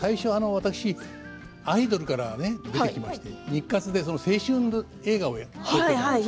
最初、私アイドルから出てきて日活で青春映画を撮っていたんです。